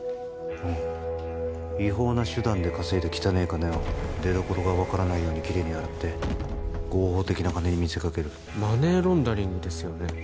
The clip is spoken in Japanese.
うん違法な手段で稼いだ汚え金を出どころが分からないようにきれいに洗って合法的な金に見せかけるマネーロンダリングですよね